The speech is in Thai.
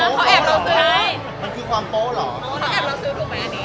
มันคือแบบรู้ซื้อถูกมั้ย